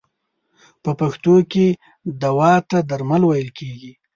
په پښتو کې دوا ته درمل ویل کیږی.